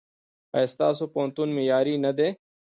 ایا ستاسو پوهنتون معیاري نه دی؟